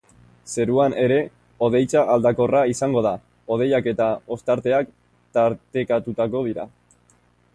Zeruan ere hodeitza aldakorra izango da, hodeiak eta ostarteak tartekatuko dira.